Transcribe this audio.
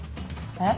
えっ？